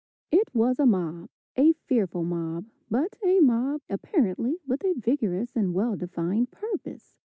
It was a mob, a fearful mob, but a mob apparently with a vigorous and well defined purpose.